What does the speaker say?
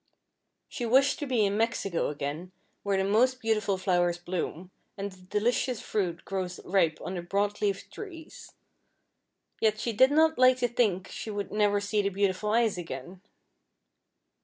She wished to be in Mexico again, where the most beautiful flowers bloom, and the delicious fruit grows ripe on the broad leafed trees. Yet she did not like to think she would never see the beautiful eyes again.